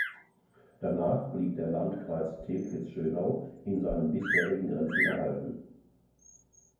Danach blieb der Landkreis Teplitz-Schönau in seinen bisherigen Grenzen erhalten.